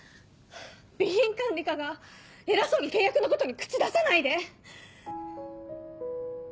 備品管理課が偉そうに契約のことに口出さないで！